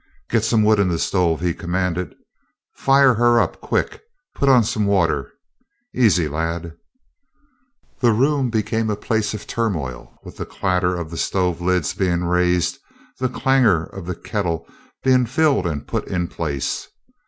"Get some wood in the stove," he commanded. "Fire her up, quick. Put on some water. Easy, lad!" The room became a place of turmoil with the clatter of the stove lids being raised, the clangor of the kettle being filled and put in place.